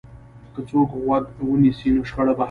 که څوک غوږ ونیسي، نو شخړه به حل شي.